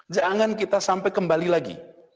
jangan kita sampai kembali lagi